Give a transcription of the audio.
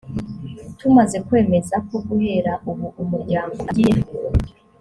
tumaze kwemeza ko guhera ubu umuryango utangiye